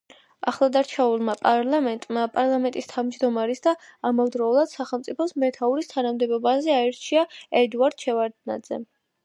ახლადარჩეულმა პარლამენტმა პარლამენტის თავმჯდომარის და ამავდროულად, სახელმწიფოს მეთაურის თანამდებობაზე აირჩია ედუარდ შევარდნაძე.